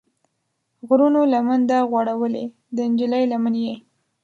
غرونو لمن ده غوړولې، د نجلۍ لمن یې